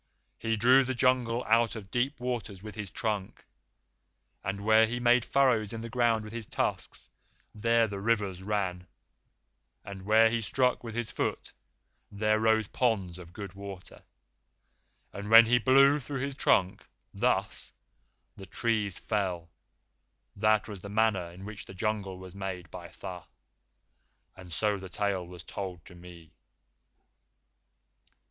He drew the Jungle out of deep waters with his trunk; and where he made furrows in the ground with his tusks, there the rivers ran; and where he struck with his foot, there rose ponds of good water; and when he blew through his trunk, thus, the trees fell. That was the manner in which the Jungle was made by Tha; and so the tale was told to me."